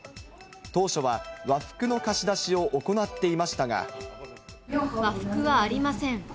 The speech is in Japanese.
当初は、和服の貸し出しを行って和服はありません。